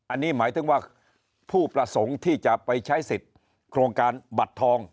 อันนี้หมายถึงว่าผู้ประสงค์ที่จะไปใช้สิทธิ์โครงการบัตรทอง